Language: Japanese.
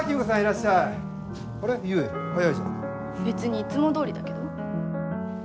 別にいつもどおりだけど？